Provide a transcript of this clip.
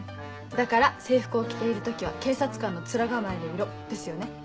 だから制服を着ている時は警察官の面構えでいろですよね。